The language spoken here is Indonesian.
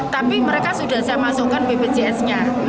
tapi mereka sudah saya masukkan bpjs nya